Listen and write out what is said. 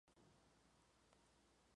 En Belfast la situación era diferente.